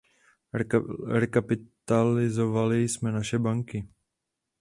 Rekapitalizovali jsme naše banky.